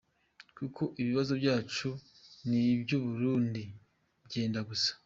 Kuko ibibazo byacu n’iby’u Burundi byenda gusa.